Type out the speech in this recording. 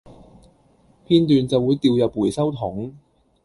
片段就會掉入回收桶